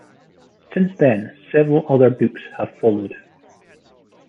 Since then several other books have followed.